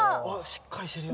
しっかりしてるよ。